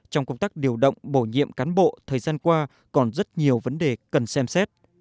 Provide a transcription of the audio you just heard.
trong công tác điều động bổ nhiệm cán bộ thời gian qua còn rất nhiều vấn đề cần xem xét